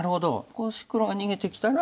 こう黒が逃げてきたら。